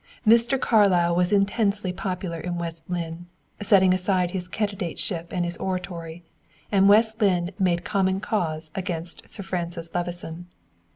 Mr. Carlyle was intensely popular in West Lynne, setting aside his candidateship and his oratory; and West Lynne made common cause against Sir Francis Levison.